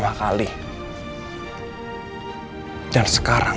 nanti aku akan berhenti